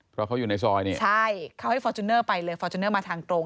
เพราะเขาอยู่ในซอยนี่ใช่เขาให้ฟอร์จูเนอร์ไปเลยฟอร์จูเนอร์มาทางตรง